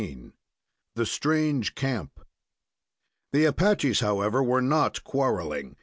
THE STRANGE CAMP The Apaches, however, were not quarreling.